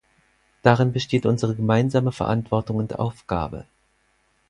Darin besteht unsere gemeinsame Verantwortung und Aufgabe.